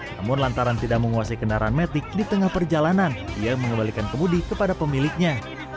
namun lantaran tidak menguasai kendaraan metik di tengah perjalanan ia mengembalikan kemudi kepada pemiliknya